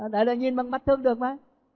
đấy là nhìn bằng mắt thường được mà